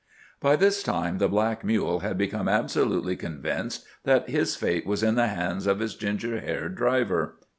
By this time the black mule had become absolutely convinced that his fate was in the hands of his ginger haired driver.